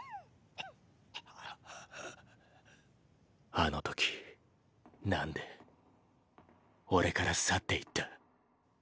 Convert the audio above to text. あの時何で俺から去って行った？